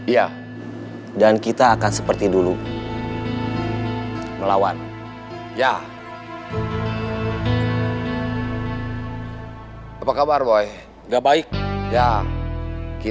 bawa ke kantor polisi